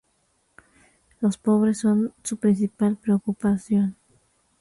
Los pobres son su principal preocupación.